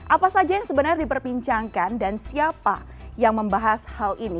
apa saja yang sebenarnya diperbincangkan dan siapa yang membahas hal ini